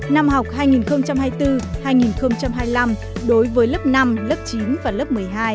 năm học hai nghìn hai mươi bốn hai nghìn hai mươi năm đối với lớp năm lớp chín và lớp một mươi hai